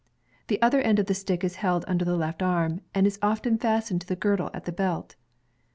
The other end of the stick is held under the left ami, and is often fastened in a girdle at the belt.